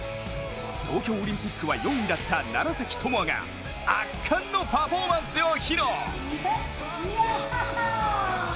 東京オリンピックは４位だった楢崎智亜が圧巻のパフォーマンスを披露！